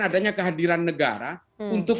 adanya kehadiran negara untuk